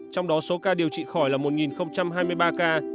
trong đó số ca điều trị khỏi là một hai mươi ba ca